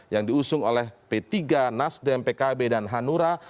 yang diusung oleh p tiga nasdem pkb dan hanura